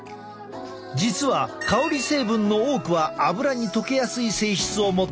実は香り成分の多くはアブラに溶けやすい性質を持っている。